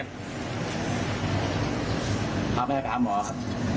พาแม่พาหมอครับ